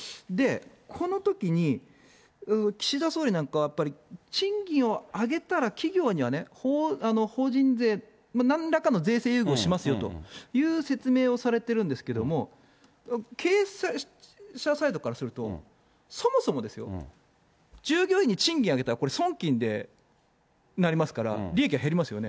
このときに岸田総理なんかはやっぱり、賃金を上げたら企業にはね、法人税、なんらかの税制優遇をしますよという説明をされてるんですけれども、経営者サイドからすると、そもそもですよ、従業員に賃金上げたらこれ、損金になりますから、利益は減りますよね。